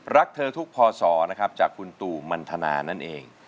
รักเธอทุกพศนะครับจากคุณตู่มันทนานั่นเอง